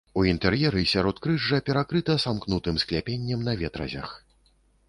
У інтэр'еры сяродкрыжжа перакрыта самкнутым скляпеннем на ветразях.